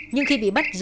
nhưng khi bị bắt rồi